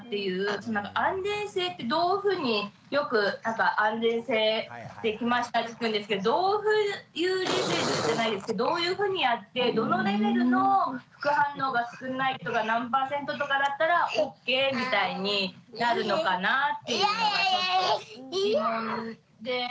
その安全性ってどういうふうによく安全性できましたって聞くんですけどどういうレベルじゃないですけどどういうふうにやってどのレベルの副反応が少ない人が何パーセントとかだったらオッケーみたいになるのかなっていうのがちょっと疑問で。